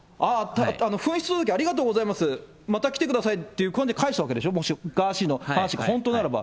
紛失届ありがとうございます、また来てくださいっていうことで返したわけでしょ、ガーシーの話が本当ならば。